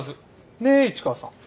ね市川さん。